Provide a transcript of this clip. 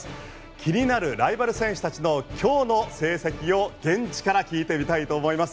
気になるライバル選手たちの今日の成績を現地から聞いてみたいと思います。